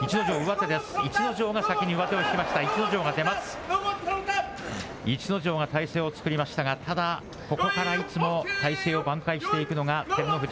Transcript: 逸ノ城が体勢を作りましたが、ただ、ここからいつも体勢を挽回していくのが照ノ富士。